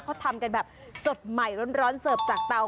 เขาทำกันแบบสดใหม่ร้อนเสิร์ฟจากเตา